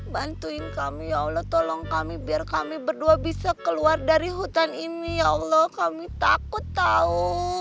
bantuin kami ya allah tolong kami biar kami berdua bisa keluar dari hutan ini ya allah kami takut tahu